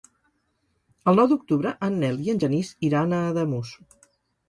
El nou d'octubre en Nel i en Genís iran a Ademús.